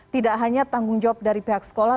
tidak hanya tanggung jawab dari pihak sekolah